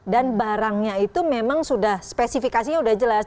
dan barangnya itu memang sudah spesifikasinya sudah jelas